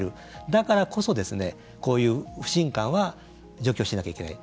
だからこそ、こういう不信感は除去しなきゃいけない。